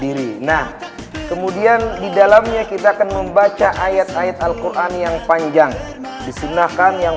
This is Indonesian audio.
diri nah kemudian di dalamnya kita akan membaca ayat ayat al quran yang panjang disunahkan yang